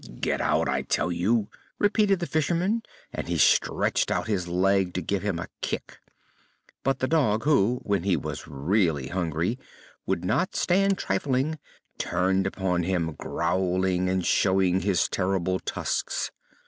"Get out, I tell you!" repeated the fisherman and he stretched out his leg to give him a kick. But the dog, who, when he was really hungry, would not stand trifling, turned upon him, growling and showing his terrible tusks.